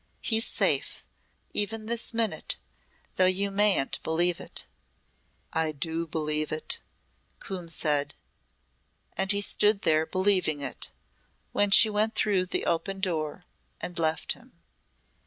He's safe, even this minute, though you mayn't believe it." "I do believe it," Coombe said. And he stood there believing it, when she went through the open door and left him.